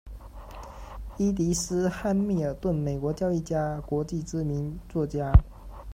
伊迪丝·汉密尔顿，美国教育家、国际知名作家。